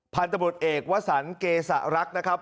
พันธ์ตำรวจเอกวสันเกษรักนะครับ